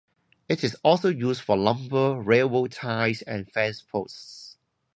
It is also used for lumber, railroad ties, and fence posts.